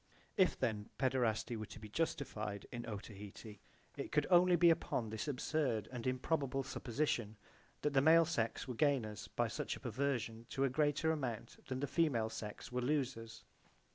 If then paederasty were to be justified in Otaheite it could only be upon this absurd and improbable supposition that the male sex were gainers by such a perversion to a greater amount than the female sex were losers.